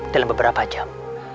dalam beberapa jam